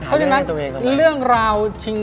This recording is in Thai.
เพราะฉะนั้นเรื่องราวชิง